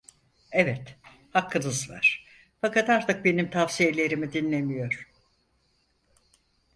Evet, hakkınız var, fakat artık benim tavsiyelerimi dinlemiyor.